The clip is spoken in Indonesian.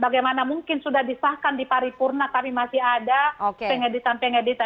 bagaimana mungkin sudah disahkan di paripurna tapi masih ada pengeditan pengeditan